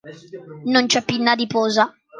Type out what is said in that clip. Non c'è pinna adiposa.